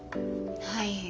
はい。